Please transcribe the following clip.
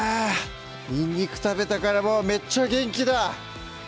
にんにく食べたからもうめっちゃ元気だ！